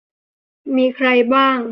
มีใครบ้าง